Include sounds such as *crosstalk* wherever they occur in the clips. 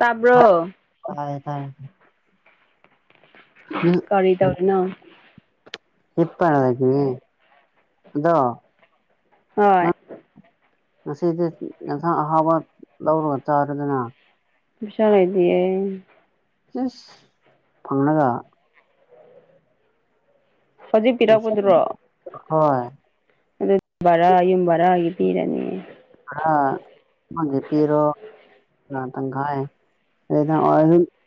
ꯇꯥꯕ꯭ꯔꯣ ꯇꯥꯏ ꯇꯥꯏ *unintelligible* ꯀꯔꯤ ꯇꯧꯔꯤꯅꯣ ꯑꯗꯣ ꯍꯣꯏ ꯅꯪ ꯉꯁꯤꯗꯤ ꯌꯦꯟꯁꯥꯡ ꯑꯍꯥꯎꯕ ꯂꯧꯔꯒ ꯆꯥꯔꯣꯗꯅ ꯄꯩꯁꯥ ꯂꯩꯇꯤꯌꯦ ꯏꯁ ꯐꯪꯉꯒ ꯍꯧꯖꯤꯛ ꯄꯤꯔꯛꯄꯗꯨ꯭ꯔꯣ ꯍꯣꯏ ꯕꯔꯥ ꯌꯨꯝ ꯕꯔꯥꯒꯤ ꯄꯤꯔꯅꯤ ꯑꯥ ꯅꯪꯒꯤ ꯄꯤꯔꯣ ꯑꯥ ꯇꯪꯈꯥꯏ ꯑꯩꯗ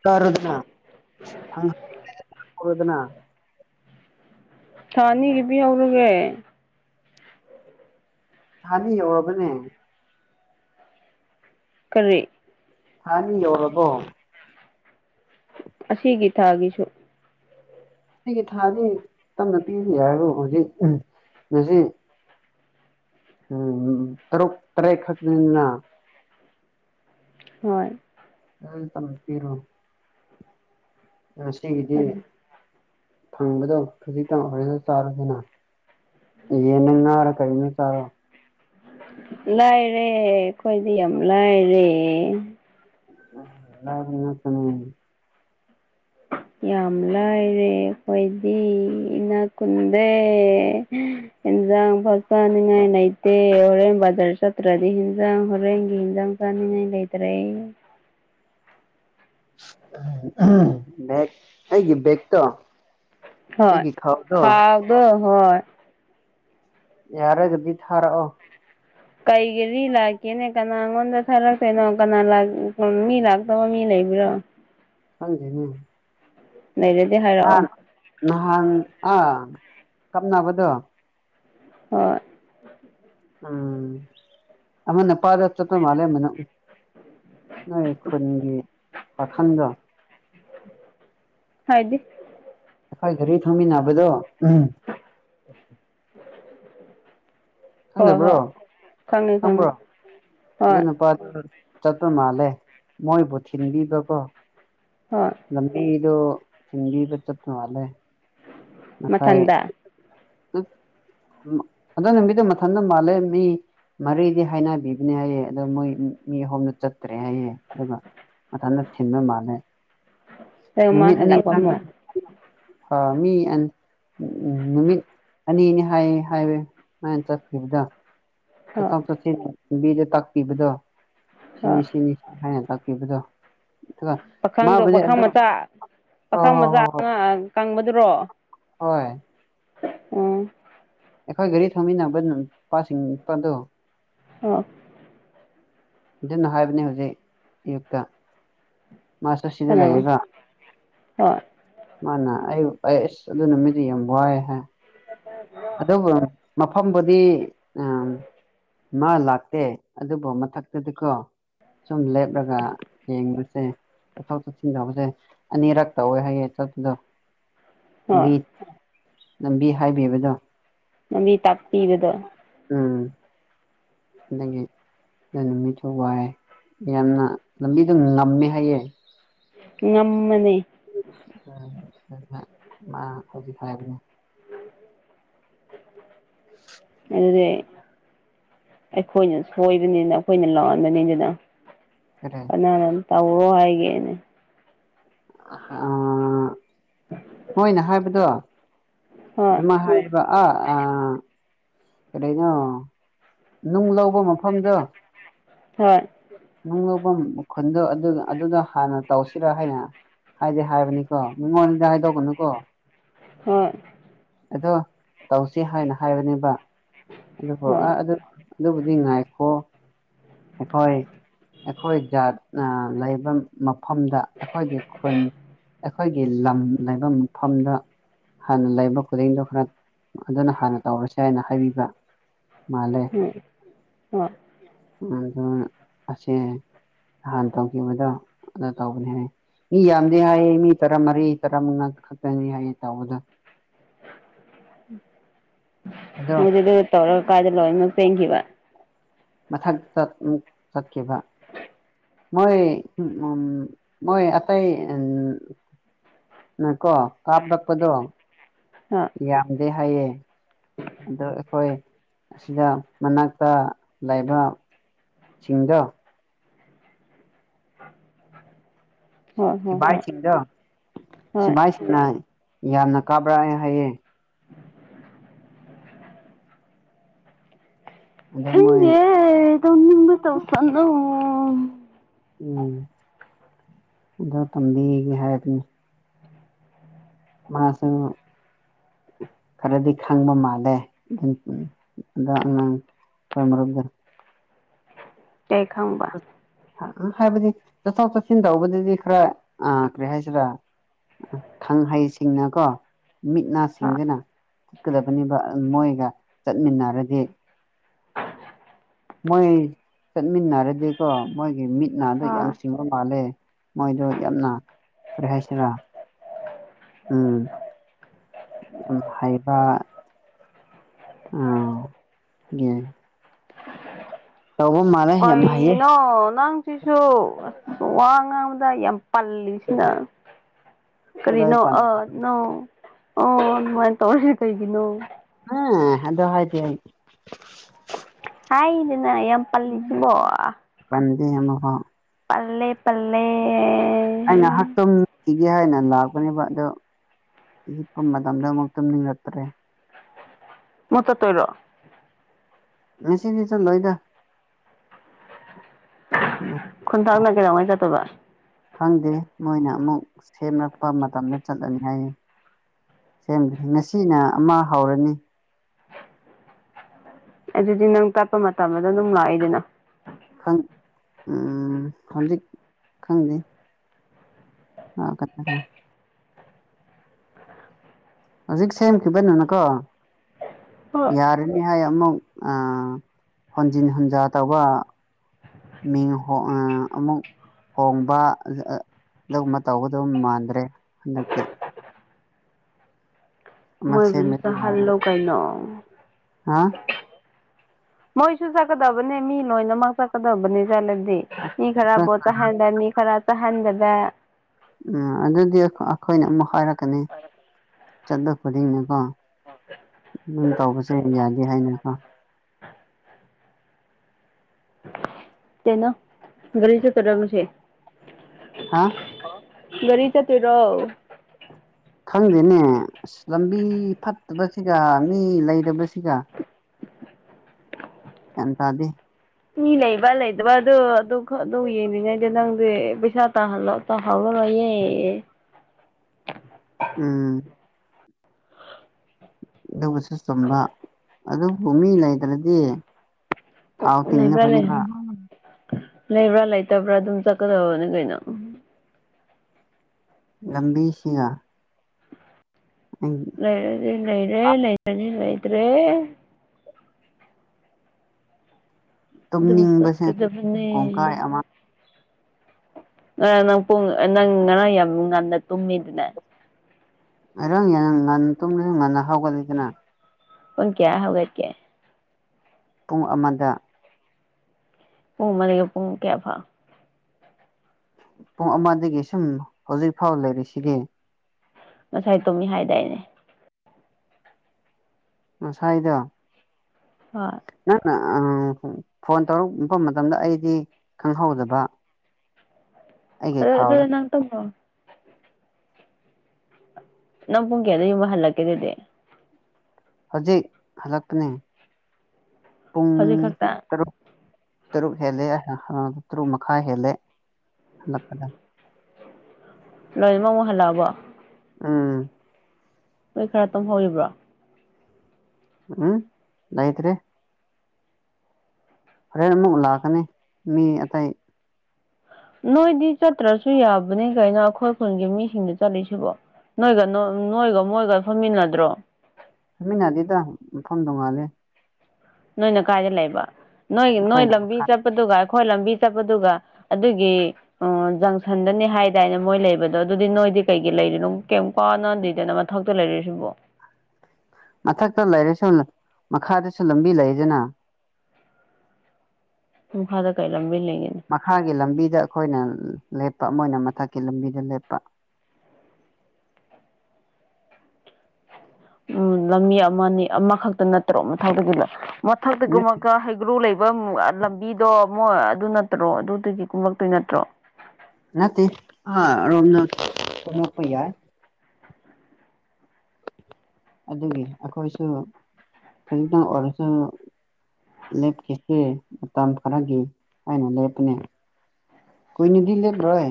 ꯆꯥꯔꯣꯗꯅ ꯊꯥ ꯑꯅꯤꯒꯤ ꯄꯤꯍꯧꯔꯒꯦ ꯊꯅꯤ ꯌꯧꯔꯕꯅꯦ ꯀꯔꯤ ꯊꯅꯤ ꯌꯧꯔꯕꯣ ꯑꯁꯤꯒꯤ ꯊꯥꯒꯤꯁꯨ ꯁꯤꯒꯤ ꯊꯥꯗꯤ ꯇꯞꯅ ꯄꯤꯔꯋꯁꯨ ꯌꯥꯏꯗ ꯍꯧꯖꯤꯛ ꯉꯁꯤ ꯎꯝ ꯇꯔꯨꯛ ꯇꯔꯦꯠ ꯈꯛꯇꯅꯤꯅ ꯍꯣꯏ ꯑꯥ ꯇꯝꯄꯤꯔꯣꯅꯦ ꯉꯁꯤꯒꯤꯗꯤ ꯑꯗꯨ ꯐꯪꯕꯗꯣ ꯈꯖꯤꯛꯇꯪ ꯑꯣꯏꯁꯨ ꯆꯥꯔꯁꯤꯅ ꯌꯦꯟꯂ ꯉꯥꯔ ꯀꯔꯤꯅꯣ ꯆꯔꯣ ꯂꯥꯏꯔꯦ ꯑꯩꯈꯣꯏꯗꯤ ꯌꯥꯝ ꯂꯥꯏꯔꯦ ꯂꯥꯔꯕ ꯉꯥꯇꯅꯤ *inaudible* ꯌꯥꯝ ꯂꯥꯏꯔꯦ ꯈꯣꯏꯗꯤ ꯏ ꯅꯥꯀꯨꯟꯗꯦ ꯍꯤꯟꯖꯥꯡ ꯐꯧ ꯆꯥꯅꯤꯡꯉꯥꯏ ꯂꯩꯇꯦ ꯍꯣꯔꯦꯟ ꯕꯖꯥꯔ ꯆꯠꯇ꯭ꯔꯗꯤ ꯍꯟꯖꯥꯡ ꯍꯣꯔꯦꯟꯒꯤ ꯍꯟꯖꯥꯡ ꯆ ꯆꯅꯤꯉꯥꯏ ꯂꯩꯇꯔꯦ ꯎꯍꯝ ꯕꯦꯛ ꯑꯩꯒꯤ ꯕꯦꯛꯇꯣ ꯍꯣꯏ ꯈꯥꯎꯗꯣ ꯍꯣꯏ ꯌꯥꯔꯒꯗꯤ ꯊꯥꯔꯛꯑꯣ ꯀꯩ ꯒꯤꯔꯤ ꯂꯥꯛꯀꯦꯅꯦ ꯀꯅꯥ ꯉꯣꯟꯗ ꯊꯥꯂꯛꯇꯣꯏꯅꯣ ꯀꯅꯥ ꯃꯤ ꯂꯥꯛꯇꯧꯕ ꯃꯤ ꯂꯩ ꯂꯩꯕ꯭ꯔꯣ ꯈꯪꯗꯦꯅꯦ ꯂꯩꯔꯗꯤ ꯅꯍꯥꯟ ꯍꯥꯏꯔꯛꯑꯣ ꯅꯍꯥꯟ ꯑꯥ ꯀꯞꯅꯕꯗꯣ ꯍꯣꯏ ꯎꯝ ꯑꯃ ꯅꯦꯄꯥꯗ ꯆꯠꯄ ꯃꯥꯂꯦ ꯃꯅꯝ ꯅꯣꯏ ꯈꯨꯟꯒꯤ ꯄꯈꯪꯗꯣ ꯍꯥꯏꯗꯤ ꯑꯩꯈꯣꯏ ꯘꯔꯤ ꯊꯝꯃꯤꯟꯅꯕꯗꯣ ꯎꯍꯝ ꯍꯣꯏ ꯈꯪꯗꯕ꯭ꯔꯣ ꯍꯣꯏ ꯈꯪꯉꯦ ꯈꯪꯉꯦ ꯈꯪꯕ꯭ꯔꯣ ꯑꯗꯨ ꯍꯣꯏ ꯅꯨꯄꯥꯗꯣ ꯆꯠꯄ ꯃꯥꯜꯂꯦ ꯃꯣꯏꯕꯨ ꯊꯤꯟꯕꯤꯕꯀꯣ ꯍꯣꯏ ꯂꯝꯕꯤꯗꯣ ꯊꯤꯟꯕꯤꯕ ꯆꯠꯄ ꯃꯥꯜꯂꯦ ꯃꯊꯟꯗ ꯑꯗꯨ ꯅꯨꯃꯤꯗꯣ ꯃꯊꯟꯇ ꯃꯥꯜꯂꯦ ꯃꯤ ꯃꯔꯤꯗꯤ ꯍꯥꯏꯅꯕꯤꯕꯅꯦ ꯍꯥꯏꯌꯦ ꯑꯗꯣ ꯃꯣꯏ ꯃꯤ ꯑꯍꯨꯝꯗ ꯆꯠꯇ꯭ꯔꯦ ꯍꯥꯏꯌꯦ ꯑꯗꯨꯒ ꯃꯊꯟꯅ ꯊꯤꯟꯕ ꯃꯥꯜꯂꯦ ꯑꯗꯨꯒ ꯃꯥ ꯅꯨꯃꯤꯠ ꯐꯅꯤ ꯍꯜꯂꯛꯄ ꯆꯪꯅ ꯑꯃꯨꯛ ꯍꯥ ꯃꯤ ꯑꯅꯤ ꯎꯝ ꯎꯝ ꯅꯨꯃꯤꯠ ꯑꯅꯤꯅꯤ ꯍꯥꯏꯌꯦ ꯍꯥꯏꯋꯦ ꯁꯨꯃꯥꯏꯅ ꯆꯠꯈꯤꯕꯗ ꯍꯣꯏ ꯆꯠꯊꯣꯛ ꯆꯁꯤꯟ ꯇꯥꯛꯄꯤꯕꯗꯣ ꯁꯤꯅꯤ ꯍꯣꯏ ꯁꯤꯅꯤ ꯍꯥꯏꯅ ꯇ ꯄꯤꯕꯗꯣ ꯄꯥꯈꯪꯗꯣ ꯄꯥꯈꯥꯪ ꯃꯆꯥ ꯍꯣꯏ ꯄꯥꯈꯥ ꯍꯣꯏ ꯃꯆꯥ ꯍꯣꯏ ꯍꯣꯏ ꯀꯪꯕꯗꯨꯔꯣ ꯍꯣꯏ ꯎꯝ ꯑꯩꯈꯣꯏ ꯒꯥꯔꯤ ꯊꯧꯃꯤꯟꯅꯕ ꯅꯨꯄꯥꯁꯤꯡ ꯅꯨꯄꯥꯗꯣ ꯑ ꯑꯗꯨꯅ ꯍꯥꯏꯕꯅꯤ ꯍꯧꯖꯤꯛ ꯑꯌꯨꯛꯇ ꯃꯥꯁꯥ ꯁꯤꯗ ꯀꯅꯥꯅꯣ ꯂꯩꯑꯌꯦꯒ ꯍꯣꯏ ꯃꯥꯅ ꯑꯩꯁ ꯑꯗꯨ ꯅꯨꯃꯤꯗꯤ ꯌꯥꯝ ꯋꯥꯏꯌꯦ ꯍꯥꯏ ꯑꯗꯨꯕꯨ ꯃꯐꯝꯕꯨꯗꯤ ꯎꯝ ꯃꯥ ꯂꯥꯛꯇꯦ ꯑꯗꯨꯕꯨ ꯃꯊꯛꯇꯗꯤꯀꯣ ꯁꯨꯝ ꯂꯦꯞꯔꯒ ꯌꯦꯡꯕꯁꯤ ꯁꯦ ꯆꯠꯊꯣꯛ ꯆꯠꯁꯤꯟ ꯇꯧꯕꯁꯦ ꯑꯅꯤꯔꯛ ꯇꯧꯋꯦ ꯍꯥꯏꯌꯦ ꯆꯠꯄꯗꯣ ꯍꯣꯏ ꯂꯝꯕꯤ ꯂꯝꯕꯤ ꯍꯥꯏꯕꯤꯕꯗꯣ ꯂꯝꯕꯤ ꯇꯥꯛꯄꯤꯕꯗꯣ ꯑꯗꯨꯛꯤ ꯑꯗꯨ ꯅꯨꯃꯤꯊꯨ ꯋꯥꯏ ꯌꯥꯝꯅ ꯂꯝꯕꯤ ꯑꯗꯨꯝ ꯉꯝꯃꯦ ꯍꯥꯏꯌꯦ ꯉꯝꯃꯅꯤ *unintelligible* ꯃꯥ ꯍꯧꯖꯤꯛ ꯍꯥꯏꯕꯅꯦ ꯑꯗꯨꯗꯤ ꯑꯩꯈꯣꯏꯅ ꯁꯣꯏꯕꯅꯤꯅ ꯑꯩꯈꯣꯏꯅ ꯂꯥꯟꯕꯅꯤꯗꯅ ꯀꯔꯤ ꯀꯅꯥꯅ ꯇꯧꯔꯣ ꯍꯥꯏꯒꯦꯅꯦ ꯑ ꯍꯥ ꯃꯣꯏꯅ ꯍꯥꯏꯕꯗꯣ ꯍꯣꯏ ꯑꯗꯨꯃꯥꯏꯅ ꯍꯥꯏꯌꯦꯕ ꯑ ꯑꯥ ꯀꯩꯔꯤꯅꯣ ꯅꯨꯡ ꯂꯧꯕ ꯃꯐꯝꯗꯣ ꯍꯣꯏ ꯅꯨꯡ ꯂꯧꯕ ꯃꯈꯨꯟꯗꯣ ꯑꯗꯨꯗ ꯍꯥꯟꯅ ꯇꯧꯁꯤꯔꯥ ꯍꯥꯏꯅ ꯍꯥꯏꯗꯤ ꯍꯥꯏꯕꯅꯤꯀꯣ ꯃꯤꯉꯣꯟꯗꯤ ꯍꯥꯏꯗꯣꯛꯒꯅꯨꯀꯣ ꯍꯣꯏ ꯑꯗꯣ ꯇꯧꯁꯤ ꯍꯥꯏꯅ ꯍꯥꯏꯕꯅꯦꯕ ꯑꯗꯨꯕꯨ ꯑ ꯍꯣꯏ ꯑꯗꯨ ꯑꯗꯨꯕꯨꯗꯤ ꯉꯥꯏꯈꯣ ꯑꯩꯈꯣꯏ ꯑꯩꯈꯣꯏ ꯖꯥꯠꯅ ꯂꯩꯕ ꯃ ꯃꯐꯝꯗ ꯑꯩꯈꯣꯏꯒꯤ ꯈꯨꯟ ꯑꯩꯈꯣꯏꯒꯤ ꯂꯝ ꯂꯩꯕ ꯃꯐꯝꯗ ꯍꯥꯟꯅ ꯂꯩꯕ ꯈꯨꯗꯤꯡꯗꯣ ꯈꯔ ꯑꯗꯨꯅ ꯍꯥꯟꯅ ꯇꯧꯔꯁꯦ ꯍꯥꯏꯅ ꯍꯥꯏꯕꯤꯕ ꯃꯥꯂꯦ ꯑ ꯍꯣꯏ ꯑꯗꯨ ꯑꯁꯦ ꯅꯍꯥꯟ ꯇꯧꯈꯤꯕꯗꯣ ꯑꯗꯨ ꯇꯧꯕꯅꯦ ꯍꯥꯏ ꯃꯤ ꯌꯥꯝꯗꯦ ꯍꯥꯏꯌꯦ ꯃꯤ ꯇꯔꯥꯃꯔꯤ ꯇꯔꯥꯃꯉꯥ ꯈꯛꯇꯅꯤ ꯍꯥꯏꯌꯦ ꯇꯧꯕꯗ *inaudible* ꯃꯗꯨꯇꯧꯔ ꯀꯥꯏꯗ ꯂꯧꯔ ꯆꯦꯟꯈꯤꯕ ꯃꯊꯛꯇ ꯑꯃꯨꯛ ꯆꯠꯈꯤꯕ ꯃꯣꯏ ꯎꯝ ꯃꯣꯏ ꯑꯇꯩ ꯎꯝ ꯅꯀꯣ ꯀꯥꯞꯔꯛꯄꯗꯣ ꯍꯣꯏ ꯌꯥꯝꯗꯦ ꯍꯥꯏꯌꯦ ꯑꯗꯣ ꯑꯩꯈꯣꯏ ꯑꯁꯤꯗ ꯃꯅꯥꯛꯇ ꯂꯩꯕ ꯁꯤꯡꯗꯣ ꯍꯣꯏ ꯍꯣꯏ ꯍꯣꯏ ꯁꯤꯚꯥꯏꯁꯤꯡꯗꯣ ꯍꯣꯏ ꯁꯤꯚꯏꯁꯤꯡꯅ ꯌꯥꯝꯅ ꯀꯥꯞꯔꯛꯑꯦ ꯍꯥꯏꯌꯦ ꯑꯗꯣ ꯃꯣꯏ ꯈꯪꯗꯦ ꯇꯧꯅꯤꯡꯕ ꯇꯧꯁꯅꯣ ꯎꯝ ꯑꯗꯨ ꯇꯝꯕꯤꯒꯦ ꯍꯥꯏꯕꯅꯤ ꯃꯥꯁꯨ ꯈꯔꯗꯤ ꯈꯪꯕ ꯃꯥꯜꯂꯦ ꯑꯗꯨ ꯎꯝ ꯑꯗꯣ ꯑꯉꯥꯡ ꯍꯣꯏ ꯃꯔꯛꯗ ꯀꯩ ꯈꯪꯕ ꯍꯥꯏꯕꯗꯤ ꯆꯠꯊꯣꯛ ꯆꯠꯁꯤꯟ ꯇꯧꯕꯗꯗꯤ ꯈꯔ ꯑꯥ ꯀꯔꯤ ꯍꯥꯏꯁꯤꯔꯥ ꯈꯪ ꯍꯩꯁꯤꯡꯅꯀꯣ ꯃꯤꯠꯅꯥ ꯍꯣꯏ ꯁꯤꯡꯗꯅ ꯆꯠꯀꯗꯕꯅꯤꯕ ꯃꯣꯏꯒ ꯆꯠꯃꯤꯟꯅꯔꯗꯤ ꯃꯣꯏ ꯆꯟꯃꯤꯟꯅꯔꯗꯤ ꯀꯣ ꯒꯤ ꯃꯤꯠ ꯅꯥꯗꯣ ꯌꯥꯝ ꯍꯣꯏ ꯆꯤꯡꯕ ꯃꯥꯜꯂꯦ ꯃꯣꯏꯗꯣ ꯌꯥꯝꯅ ꯀꯔꯤ ꯍꯥꯏꯁꯤꯔꯥ ꯎꯝ ꯌꯥꯝ ꯍꯩꯕ ꯑꯣ ꯒꯦ ꯇꯧꯕ ꯃꯥꯂꯦ ꯌꯥꯝ ꯍꯩꯌꯦ ꯁꯨ ꯋꯥ ꯉꯥꯡꯕꯗ ꯌꯥꯝ ꯄꯜꯂꯤꯁꯤꯗ ꯀꯗꯥꯏ ꯀꯔꯤꯅꯣ ꯄꯥꯟꯕ ꯑꯥ ꯅꯪ ꯑꯥ ꯑꯗꯨꯃꯥꯏꯅ ꯇꯧꯋꯦ ꯀꯩꯒꯤꯅꯣ ꯑꯥ ꯑꯗꯣ ꯍꯥꯏꯗꯦ ꯑꯩ ꯍꯥꯏꯅꯦꯅ ꯅꯪ ꯌꯥꯝ ꯄꯜꯂꯤꯁꯤꯕꯣ *unintelligible* ꯄꯜꯂꯦ ꯄꯜꯂꯦ ꯏꯒꯦ ꯍꯥꯏꯅ ꯂꯥꯛꯄꯅꯦꯕ ꯑꯗꯣ ꯍꯤꯞꯄ ꯃꯇꯝꯗ ꯑꯃꯨꯛ ꯇꯨꯝꯅꯤꯡꯉꯛꯇ꯭ꯔꯦ ꯃꯨ ꯆꯠꯇꯣꯏꯔꯣ ꯉꯁꯤꯗꯤ ꯆꯠꯂꯣꯏꯗ ꯈꯨꯟꯊꯥꯡꯅ ꯀꯩꯗꯧꯉꯩ ꯆꯠꯇꯣꯏꯕ ꯈꯪꯗꯦ ꯃꯣꯏꯅ ꯑꯃꯨꯛ ꯁꯦꯝꯂꯛꯄ ꯃꯇꯝꯗ ꯆꯠꯂꯅꯤ ꯍꯥꯏꯌꯦ ꯁꯦꯝꯒꯅꯤ ꯉꯁꯤꯅ ꯑꯃ ꯍꯧꯔꯅꯤ ꯑꯗꯨꯗꯤ ꯅꯪ ꯀꯠꯄ ꯃꯇꯝꯗ ꯑꯗꯨꯝ ꯂꯥꯛꯏꯗꯅ ꯈꯪ ꯎꯝ ꯍꯧꯖꯤꯛ ꯈꯪꯗꯦ *unintelligible* ꯍꯧꯖꯤꯛ ꯁꯦꯝꯈꯤꯕ ꯅꯪꯏꯀꯣ ꯍꯣꯏ ꯌꯥꯔꯅꯤ ꯍꯥꯏ ꯑꯃꯨꯛ ꯑꯥ ꯍꯣꯟꯖꯤꯟ ꯍꯟꯖꯥ ꯇꯧꯕ ꯃꯤꯡ ꯍꯣ ꯑꯥ ꯑꯃꯨꯛ ꯍꯣꯡꯕ ꯑꯥ ꯑꯥ ꯑꯗꯨꯒꯨꯝꯕ ꯇꯧꯒꯗꯕ ꯃꯥꯟꯗ꯭ꯔꯦ ꯍꯟꯗꯛꯇꯤ ꯑꯃ ꯃꯣꯏꯕꯨꯁꯨ ꯁꯦꯝꯃꯗꯤ ꯂꯣꯏꯔꯦ ꯇꯍꯜꯂꯣ ꯀꯩꯅꯣ ꯍꯥ ꯃꯣꯏꯁꯨ ꯆꯠꯀꯗꯕꯅꯦ ꯃꯤ ꯂꯣꯏꯅꯃꯛ ꯆꯠꯀꯗꯕꯅꯦ *unintelligible* ꯃꯤ ꯈꯔꯕꯨ ꯎꯝ ꯆꯠꯍꯟꯕ ꯃꯤ ꯈꯔꯕꯨ ꯆꯠꯍꯟꯗꯕ ꯎꯝ ꯑꯗꯨꯗꯤ ꯑꯩꯈꯣꯏꯅ ꯑꯃꯨꯛ ꯍꯥꯏꯔꯛꯀꯅꯤ ꯆꯠꯂ ꯈꯨꯗꯤꯡꯅꯀꯣ ꯑꯗꯨꯝ ꯇꯧꯕꯁꯦ ꯌꯥꯗꯦ ꯍꯥꯏꯅꯀꯣ ꯇꯦꯅꯣ ꯒꯔꯤ ꯆꯠꯀꯗꯕꯁꯦ ꯍꯥ ꯒꯥꯔꯤ ꯆꯠꯇꯣꯢꯔꯣ ꯈꯪꯗꯦꯅꯦ ꯑꯁ ꯂꯝꯕꯤ ꯐꯠꯇꯕꯁꯤꯒ ꯃꯤ ꯂꯩꯇꯕꯁꯤꯒ ꯒ꯭ꯌꯥꯟ ꯇꯥꯗꯦ ꯃꯤ ꯂꯩꯕ ꯂꯩꯗꯕ ꯑꯗꯨ ꯑꯗꯨ ꯑꯗꯨ ꯌꯦꯡꯅꯤꯡꯉꯩꯗ ꯅꯪ ꯁꯦ ꯄꯩꯁꯥ ꯇꯥꯍꯜꯂꯣ ꯇꯍꯥꯎ ꯂꯔꯣꯏꯌꯦ ꯎꯝ ꯑꯗꯨꯒꯁꯨ ꯆꯨꯝꯕ ꯑꯗꯨꯕꯨ ꯃꯤ ꯂꯩꯗ꯭ꯔꯗꯤ ꯊꯥꯎ ꯂꯩꯕ꯭ꯔꯥ ꯇꯤꯡꯅꯕꯅꯦꯕ ꯂꯩ ꯂꯩꯕ꯭ꯔꯥ ꯂꯩꯇꯕ꯭ꯔꯥ ꯑꯗꯨꯝ ꯆꯠꯀꯗꯧꯕꯅꯦ ꯀꯩꯅꯣ ꯂꯝꯕꯤꯁꯤꯌꯥ ꯂꯩꯔꯗꯤ ꯂꯩꯔꯦ ꯂꯩꯇ꯭ꯔꯗꯤ ꯂꯩꯇ꯭ꯔꯦ ꯑꯗꯨꯝ ꯇꯨꯝꯅꯤꯡꯕꯁꯦ ꯆꯠꯀꯗꯕꯅꯦ ꯀꯣꯡꯀꯥꯏ ꯑꯃ ꯉꯔꯥꯡ ꯅꯪ ꯄꯨꯡ ꯅꯪ ꯉꯔꯥꯡ ꯌꯥꯝ ꯉꯟꯅ ꯇꯨꯝꯃꯤꯗꯨꯅꯦ ꯑꯗꯨꯝ ꯌꯥꯝ ꯉꯟꯅ ꯇꯨꯝꯂꯗꯤ ꯉꯟꯅ ꯍꯧꯒꯠꯂꯤꯗꯅ ꯄꯨꯡ ꯀꯌꯥ ꯍꯧꯒꯠꯀꯦ ꯄꯨꯡ ꯑꯃꯗ ꯄꯨꯡ ꯑꯃꯗꯒꯤ ꯄꯨꯡ ꯀꯌꯥ ꯐꯥꯎ ꯄꯨꯡ ꯑꯃꯗꯒꯤ ꯁꯨꯝ ꯍꯧꯖꯤꯛ ꯐꯥꯎ ꯂꯩꯔꯤꯁꯤꯗꯤ ꯉꯁꯥꯏ ꯇꯨꯝꯃꯤ ꯍꯥꯏꯗꯥꯏꯅꯦ ꯉꯁꯥꯏꯗꯣ ꯍꯣꯏ ꯑꯥ ꯐꯣꯟ ꯇꯧꯔꯛꯄ ꯃꯇꯝꯗ ꯑꯩꯗꯤ ꯈꯪꯍꯧꯗꯕ ꯑꯩꯒꯤ ꯑꯥ ꯈꯥꯎꯗ ꯑꯗꯨꯗ ꯅꯪ ꯇꯨꯝꯈꯣ ꯅꯪ ꯄꯨꯡ ꯀꯌꯥꯗ ꯌꯨꯝ ꯍꯜꯂꯛꯀꯦꯗꯨꯗꯤ ꯍꯧꯖꯤꯛ ꯍꯂꯛꯀꯅꯤ ꯍꯧꯖꯤꯛ ꯈꯛꯇ ꯇꯔꯨꯛ ꯍꯦꯜꯂꯦ ꯇꯔꯨꯛ ꯃꯈꯥꯏ ꯍꯦꯜꯂꯦ ꯍꯜꯂꯛꯄꯗ ꯂꯣꯏꯃꯨꯛ ꯍꯜꯂꯛꯑꯕꯣ ꯎꯝ ꯅꯣꯏ ꯈꯔ ꯇꯨꯝꯍꯧꯔꯤꯕ꯭ꯔꯣ ꯎꯝ ꯂꯩꯇ꯭ꯔꯦ ꯍꯣꯔꯦꯟ ꯑꯃꯨꯛ ꯂꯛꯀꯅꯤ ꯃꯤ ꯑꯇꯩ ꯅꯣꯏꯗꯤ ꯆꯠꯇ꯭ꯔꯁꯨ ꯌꯥꯕꯅꯤ ꯀꯩꯅꯣ ꯑꯩꯈꯣꯏ ꯈꯨꯜꯒꯤ ꯃꯤꯁꯤꯡꯗ ꯆꯠꯂꯤꯁꯤꯕꯣ ꯅꯣꯏꯒ ꯅꯣꯏꯒ ꯃꯣꯏꯒ ꯐꯝꯃꯤꯟꯅꯗ꯭ꯔꯣ ꯐꯝꯃꯤꯟꯅꯗꯦꯗ ꯃꯐꯝ ꯇꯣꯉꯥꯜꯂꯦ ꯅꯣꯏꯅ ꯀꯥꯏꯗ ꯂꯩꯕ ꯅꯣꯏ ꯅꯣꯏ ꯑꯩꯈꯣꯏꯅ ꯂꯝꯕꯤ ꯃꯈꯥ ꯆꯠꯄꯗꯨꯒ ꯑꯩꯈꯣꯏ ꯂꯝꯕꯤ ꯆꯠꯄꯗꯨꯒ ꯑꯗꯨꯒꯤ ꯎꯝ ꯖꯪꯁꯟꯗꯅꯤ ꯍꯥꯏꯗꯥꯅ ꯃꯣꯏ ꯂꯩꯕꯗꯣ ꯑꯗꯨꯗꯤ ꯅꯣꯏ ꯗꯤ ꯀꯩꯒꯤ ꯂꯩꯔꯤꯅꯣ ꯀꯩꯝ ꯀꯥꯟꯅꯗꯦꯗꯅ ꯃꯊꯛꯇ ꯂꯩꯔꯤꯁꯤꯕꯣ ꯃꯊꯛꯇ ꯂꯩꯔꯁꯨ ꯃꯈꯥꯗꯁꯨ ꯂꯝꯕꯤ ꯂꯩꯗꯅ ꯎꯝ ꯃꯈꯥꯗ ꯀꯩ ꯂꯝꯕꯤ ꯂꯩ ꯃꯈꯥꯒꯤ ꯂꯝꯕꯤꯗ ꯑꯩꯈꯣꯏꯅ ꯂꯦꯞꯄ ꯑꯃ ꯃꯣꯏꯅ ꯃꯊꯛꯀꯤ ꯂꯝꯕꯤꯗ ꯂꯦꯞꯄ ꯎꯝ ꯂꯝꯕꯤ ꯑꯃꯅꯤ ꯑꯃꯈꯛꯇ ꯅꯠꯇ꯭ꯔꯣ ꯃꯊꯛꯇꯒꯤꯗ ꯃꯊꯛꯇꯒꯨꯝꯕ ꯍꯩꯒ꯭ꯔꯨ ꯂꯩꯕ ꯄ꯭ꯔꯝ ꯂꯝꯕꯤꯗꯣ ꯝꯣꯏ ꯑꯗꯨ ꯅꯠꯇ꯭ꯔꯣ ꯑꯗꯨꯗꯒꯤ ꯀꯨꯝꯃꯛꯇꯣꯏ ꯅꯠꯇ꯭ꯔꯣ ꯅꯠꯇꯦ ꯑꯥ *unintelligible* ꯆꯪꯂꯛꯄ ꯌꯥꯏ ꯑꯗꯨꯒꯤ ꯑꯩꯈꯣꯏꯁꯨ ꯈꯖꯤꯛꯇꯪ ꯑꯣꯏꯔꯁꯨ ꯂꯦꯞꯈꯤꯁꯦ ꯃꯇꯝ ꯈꯔꯒꯤ ꯍꯥꯏꯅ ꯂꯦꯞꯄꯅꯦ ꯀꯨꯏꯅꯗꯤ ꯂꯦꯞꯔꯣꯏ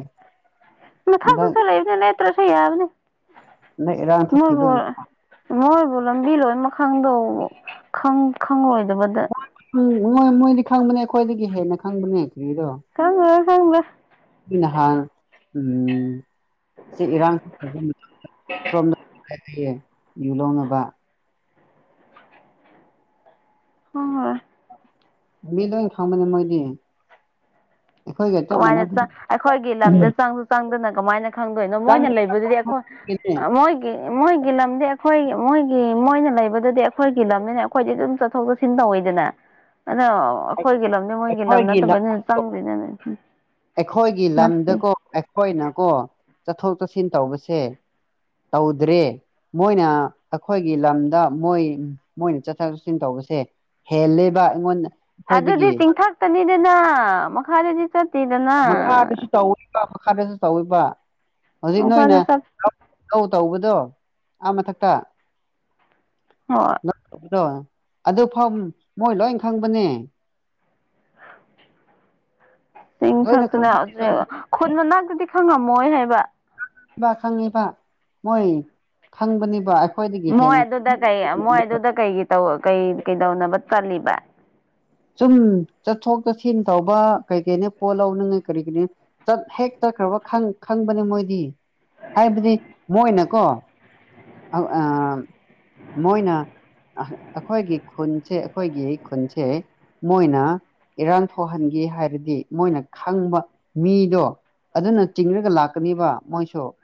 ꯃꯊꯛꯗꯨꯗ ꯂꯩꯕꯅꯦ ꯂꯦꯞꯇ꯭ꯔꯁꯨ ꯌꯥꯕꯅꯦ ꯍꯟꯗꯛ ꯏꯔꯥꯡ ꯃꯣꯏꯕꯨ ꯊꯣꯛꯈꯤꯕꯒꯤ ꯃꯣꯏ ꯑꯣ ꯂꯝꯕꯤ ꯂꯣꯏꯅꯃꯛ ꯈꯪꯗꯧ ꯈꯪ ꯈꯪꯪꯂꯣꯏꯗꯕꯗ ꯃꯣꯏ ꯃꯣꯏꯗꯤ ꯈꯪꯕꯅꯦ ꯑꯩꯈꯣꯏꯗꯒꯤ ꯍꯦꯟꯅ ꯈꯪꯕꯅꯦ ꯀ꯭ꯔꯤꯔꯣ ꯈꯪꯉꯔꯣꯏ ꯈꯪꯗꯦ ꯅꯍꯥꯟ ꯎꯝ ꯁꯤ ꯏꯔꯥꯡ ꯊꯣꯛ ꯁꯣꯝꯗ ꯀꯔꯛꯑꯦ ꯌꯨ ꯂꯧꯅꯕ ꯍꯣꯏ ꯍꯣꯏ ꯃꯤ ꯂꯣꯏ ꯈꯪꯕꯅꯦ ꯃꯣꯏꯗꯤ ꯑꯩꯈꯣꯏꯒ ꯆꯞ ꯀꯃꯥꯏꯅ ꯃꯥꯟꯅꯕ ꯑꯩꯈꯣꯏꯒꯤ ꯂꯝꯗ ꯆꯪꯁꯨ ꯆꯪꯗꯅ ꯀꯃꯥꯏꯅ ꯈꯪꯗꯣꯏꯅꯣ ꯃꯣꯏꯅ ꯂꯩꯕꯗꯨꯗꯤ ꯑꯩꯈꯣꯏ ꯃꯣꯏꯒꯤ ꯃꯣꯏꯒꯤ ꯂꯝꯗꯤ ꯑꯩꯈꯣꯏ ꯃꯣꯏꯒꯤ ꯃꯣꯏꯅ ꯂꯩꯕꯗꯗꯤ ꯑꯩꯈꯣꯏꯒꯤ ꯂꯝꯅꯤꯅ ꯑꯩꯈꯣꯏꯗꯤ ꯑꯗꯨꯝ ꯆꯠ ꯆꯠꯊꯣꯛ ꯆꯠꯁꯤꯟ ꯇꯧꯋꯤꯗꯅ ꯑꯗꯣ ꯑꯩꯈꯣꯏꯒꯤ ꯂꯝꯅꯦ ꯃꯣꯏꯒꯤ ꯂꯝ ꯑꯩꯈꯣꯏꯒꯤ ꯅꯠꯇꯕꯅꯤꯅ ꯆꯪꯗ꯭ꯔꯤꯗꯅꯦ ꯑꯩꯈꯣꯏꯒꯤ ꯂꯝꯗꯀꯣ ꯑꯩꯈꯣꯏꯅꯀꯣ ꯆꯠꯊꯣꯛ ꯆꯠꯁꯤꯟ ꯇꯧꯕꯁꯦ ꯇꯧꯗ꯭ꯔꯦ ꯃꯣꯏꯅ ꯑꯩꯈꯣꯏꯒꯤ ꯂꯝꯗ ꯃꯣꯏ ꯃꯣꯏꯅ ꯆꯠꯊꯣꯛ ꯆꯠꯁꯤꯟ ꯇꯧꯕ ꯁꯦ ꯍꯦꯜꯂꯦꯕ ꯑꯩꯉꯣꯟꯗ ꯑꯗꯨꯗꯤ ꯑꯩꯈꯣꯏꯗꯒꯤ ꯆꯤꯡꯊꯛꯇꯅꯤꯗꯅ ꯃꯈꯥꯗꯗꯤ ꯆꯠꯇꯦꯗꯅ ꯃꯈꯥꯗꯁꯨ ꯇꯧꯔꯤꯕ ꯃꯈꯥꯗꯁꯨ ꯇꯧꯔꯤꯕ ꯍꯧꯖꯤꯛ ꯃꯈꯥꯗ ꯅꯣꯏꯅ ꯆꯠ ꯅꯧ ꯇꯧꯕꯗꯣ ꯑꯥ ꯃꯊꯛꯇꯧ ꯍꯣꯏ ꯇꯧꯕꯗꯣ ꯑꯗꯨ ꯐꯥꯎ ꯃꯣꯏ ꯂꯣꯏ ꯈꯪꯕꯅꯦ ꯂꯣꯏꯅ ꯆꯤꯡꯊꯛꯇꯅ ꯈꯪꯕꯅꯦꯕ ꯍꯧꯖꯤꯛ ꯈꯨꯟ ꯃꯅꯥꯛꯇꯗꯤ ꯈꯪꯉꯝꯃꯣꯏ ꯍꯥꯏꯕ ꯈꯪꯉꯤꯕ ꯈꯪꯉꯤꯕ ꯃꯣꯏ ꯈꯪꯕꯅꯤꯕ ꯃꯣꯏ ꯑꯗꯨꯗ ꯀꯩ ꯃꯣꯏ ꯑꯗꯨꯗ ꯀꯩꯒꯤ ꯀꯩ ꯀꯩꯗꯧꯅꯕ ꯆꯜꯂꯤꯠꯂꯤꯕ ꯁꯨꯝ ꯆꯠꯊꯣꯛ ꯆꯠꯁꯤꯟ ꯇꯧꯕ ꯀꯩ ꯀꯔꯤꯅꯦ ꯄꯣꯠ ꯂꯧꯅꯤꯡꯉꯥꯏ ꯀꯔꯤ ꯀꯔꯤ ꯍꯦꯛꯇ ꯆꯠꯈ꯭ꯔꯕ ꯈꯪꯕꯅꯦ ꯃꯣꯏꯗꯤ ꯍꯥꯏꯕꯗꯤ ꯃꯣꯏꯅꯀꯣ ꯑꯧ ꯑꯥ ꯃꯣꯏꯅ ꯑꯩꯈꯣꯏꯒꯤ ꯈꯨꯟꯁꯦ ꯑꯩꯈꯣꯏꯒꯤ ꯈꯨꯟꯁꯦ ꯃꯣꯏꯅ ꯏꯔꯥꯡ ꯊꯣꯛꯍꯟꯒꯦ ꯍꯥꯏꯔꯗꯤ ꯃꯣꯏꯅ ꯈꯪꯕ ꯃꯤꯗꯣ ꯑꯗꯨꯅ ꯆꯤꯡꯔꯒ ꯂꯥꯛꯀꯅꯤꯕ ꯃꯣꯏꯁꯨ